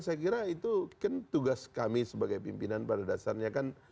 saya kira itu kan tugas kami sebagai pimpinan pada dasarnya kan